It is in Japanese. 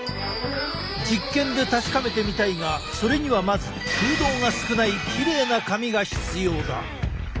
実験で確かめてみたいがそれにはまず空洞が少ないきれいな髪が必要だ。